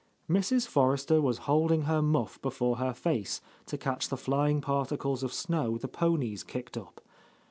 Mrs. Forrester was holding her muff before her face, to catch the flying particles of snow the ponies kicked up.